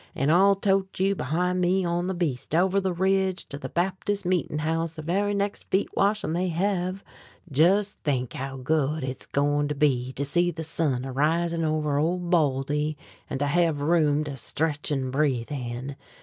An' I'll tote you behind me on the beast over the Ridge to the Baptist Meetin' House the very next feet washin' they hev. Jes' think how good hit's goin' to be to see the sun a risin' over Ole Baldy, an' to hev room to stretch an' breathe in.